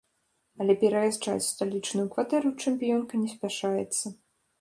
Але пераязджаць у сталічную кватэру чэмпіёнка не спяшаецца.